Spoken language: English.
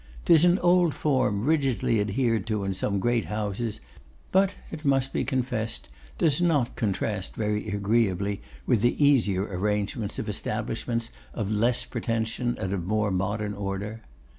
'Tis an old form rigidly adhered to in some great houses, but, it must be confessed, does not contrast very agreeably with the easier arrangements of establishments of less pretension and of more modern order.